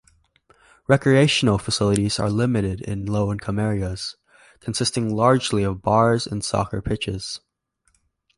Recreational facilities are limited in low-income areas, consisting largely of bars and soccer pitches.